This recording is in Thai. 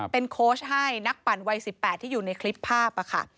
เป็นโค้ชให้นักปั่นวัย๑๘ที่อยู่ในคลิปภาพค่ะ